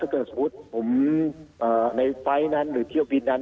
คือถ้าเกิดสมมติผมในไฟล์ทนั่นหรือเที่ยวบินนั้น